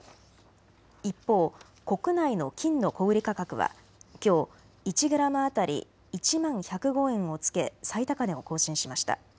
一方、国内の金の小売り価格はきょう１グラム当たり１万１０５円をつけ最高値を更新しました。